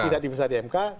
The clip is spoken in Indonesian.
tidak diperiksa di mk